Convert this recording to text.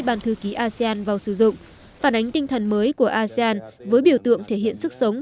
ban thư ký asean vào sử dụng phản ánh tinh thần mới của asean với biểu tượng thể hiện sức sống